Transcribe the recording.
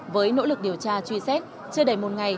với nỗ lực điều tra truy xét chưa đầy một ngày